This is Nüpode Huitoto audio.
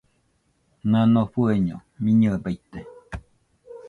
Nano fueño miñɨe baite.